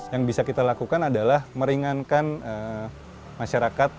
yang bisa kita lakukan adalah meringankan masyarakat